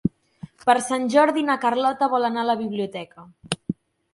Per Sant Jordi na Carlota vol anar a la biblioteca.